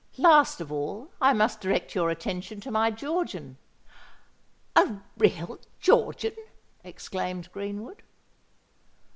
Last of all I must direct your attention to my Georgian—" "A real Georgian?" exclaimed Greenwood.